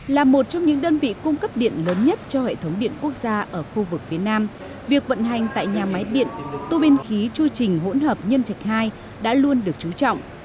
là một trong những đơn vị cung cấp điện lớn nhất cho hệ thống điện quốc gia ở khu vực phía nam việc vận hành tại nhà máy điện tô biên khí chu trình hỗn hợp nhân trạch hai đã luôn được chú trọng